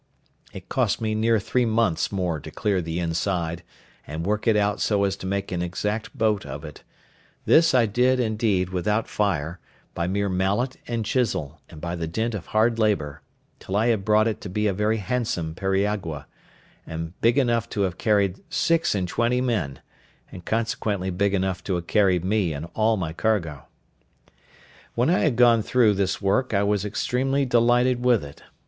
It cost me near three months more to clear the inside, and work it out so as to make an exact boat of it; this I did, indeed, without fire, by mere mallet and chisel, and by the dint of hard labour, till I had brought it to be a very handsome periagua, and big enough to have carried six and twenty men, and consequently big enough to have carried me and all my cargo. When I had gone through this work I was extremely delighted with it.